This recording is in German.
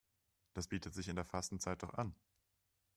Das bietet sich in der Fastenzeit doch an.